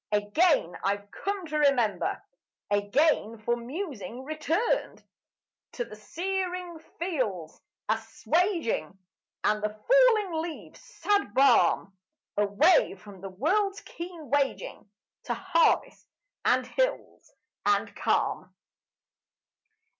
Again I've come to remember, Again for musing returned To the searing fields' assuaging, And the falling leaves' sad balm: Away from the world's keen waging To harvest and hills and calm.